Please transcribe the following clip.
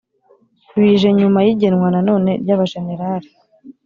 bije nyuma y’igenwa na none ry’abajenerali